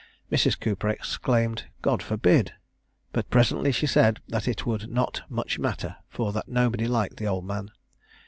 Mrs. Cooper exclaimed "God forbid!" but presently she said, that it would not much matter, for that nobody liked the old man.